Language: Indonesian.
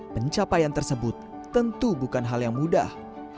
pencapaian tersebut tentu bukan hal yang mudah